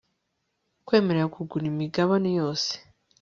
kwemera kugura imigabane yose